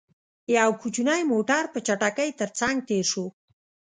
يو کوچينی موټر، په چټکۍ تر څنګ تېر شو.